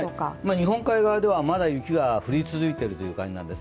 日本海側ではまだ雪が降り続いているという感じなんです。